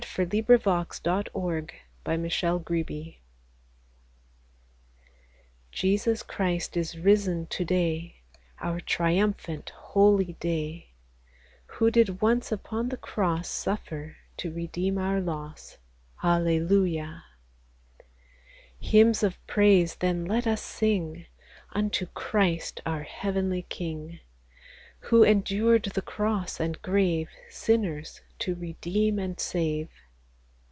29 " P?e is risen : fje fe not fjcte," Jesus Christ is risen to day, — Our triumphant holy day, — Who did once upon the cross Suffer to redeem our loss. Hallelujah ! Hymns of praise then let us sing Unto Christ our heavenly King, Who endured the cross and grave, Sinners to redeem and save.